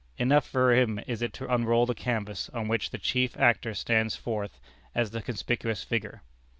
Enough for him is it to unroll the canvas on which the chief actor stands forth as the conspicuous figure.